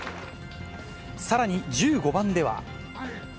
さらに１５番では。